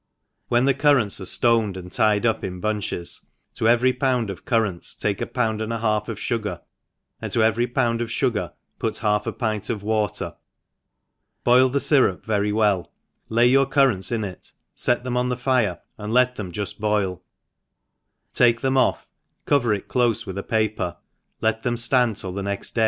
WHEN the currants are ftoncd and tied up in bunches, to every pound of currants take a pound and a half of fugar, and to everv pound of fugar put half a pint of water, boil thefyrap very well, lay your currants in it, fct them on the fire, and let them jufl boil, take them off, cover it clofe with af)aper, let them ftand till the next